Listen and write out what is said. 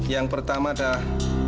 yang pertama adalah